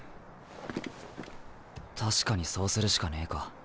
確かにそうするしかねえか。